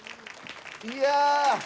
いや。